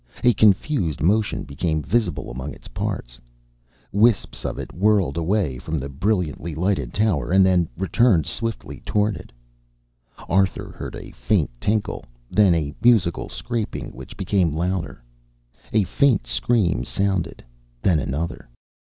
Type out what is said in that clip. A confused motion became visible among its parts. Wisps of it whirled away from the brilliantly lighted tower, and then returned swiftly toward it. Arthur heard a faint tinkle, then a musical scraping, which became louder. A faint scream sounded, then another.